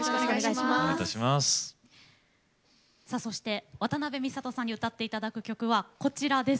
そして渡辺美里さんに歌っていただく曲はこちらです。